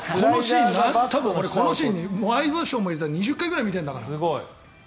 このシーンワイドショーも入れたら２０回ぐらい見てるんだから。